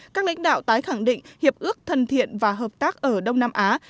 các lãnh đạo tái khẳng định hiệp ước thân thiện và hợp tác ở đông nam á